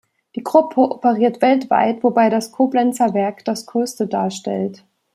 Die Gruppe operiert weltweit, wobei das Koblenzer Werk das Größte darstellt.